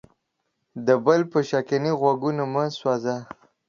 د بل په شکنې غوږونه مه سوځه.